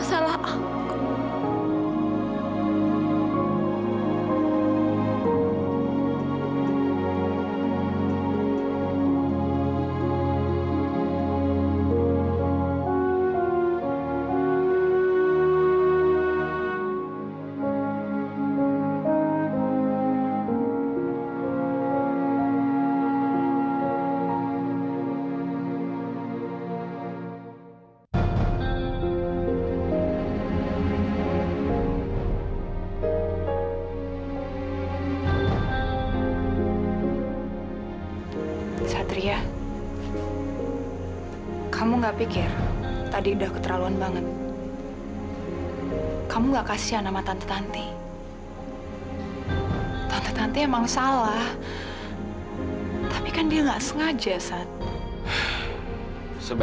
waktu dulu kamu bikin satria buta kamu nangis juga